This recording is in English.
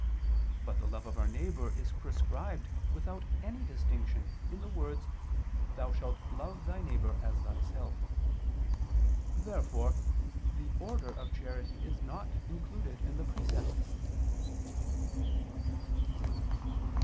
But the love of our neighbor is prescribed without any distinction, in the words, "Thou shalt love thy neighbor as thyself." Therefore the order of charity is not included in the precept.